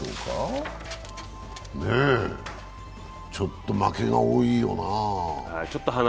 ちょっと負けが多いよなあ。